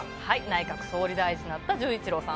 内閣総理大臣になった純一郎さん。